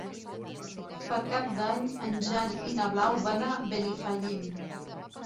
Per Cap d'Any en Jan i na Blau van a Benifallim.